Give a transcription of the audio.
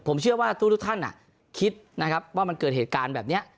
ผมเชื่อว่าทุกท่านคิดนะครับว่ามันเกิดเหตุการณ์แบบนี้